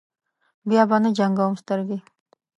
بیا به نه جنګوم سترګې.